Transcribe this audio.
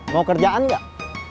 mau kerjaan gak